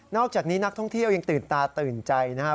อกจากนี้นักท่องเที่ยวยังตื่นตาตื่นใจนะครับ